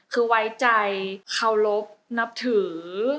คือไว้ใจเคารพนับถือ